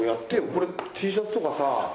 これＴシャツとかさ。